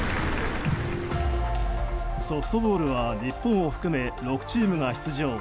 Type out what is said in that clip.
ソフトボールは日本を含め６チームが出場。